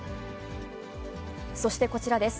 そしてこちらです。